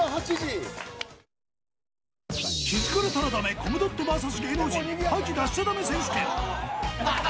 気づかれたらダメコムドットＶＳ芸能人覇気出しちゃダメ選手権。